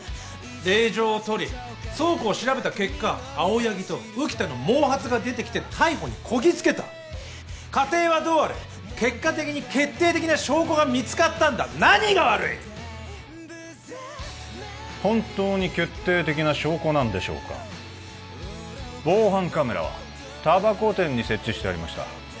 令状を取り倉庫を調べた結果青柳と浮田の毛髪が出てきて逮捕にこぎつけた過程はどうあれ結果的に決定的な証拠が見つかったんだ何が悪い本当に決定的な証拠なんでしょうか防犯カメラはたばこ店に設置してありました